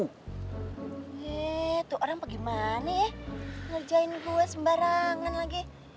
hei tuh orang apa gimana ya ngerjain gue sembarangan lagi